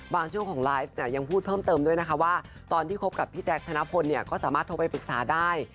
ช่วงของไลฟ์เนี่ยยังพูดเพิ่มเติมด้วยนะคะว่าตอนที่คบกับพี่แจ๊คธนพลเนี่ยก็สามารถโทรไปปรึกษาได้